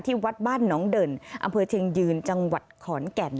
วัดบ้านน้องเด่นอำเภอเชียงยืนจังหวัดขอนแก่น